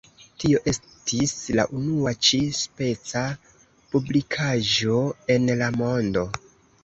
Tio estis la unua ĉi-speca publikaĵo en la mondo.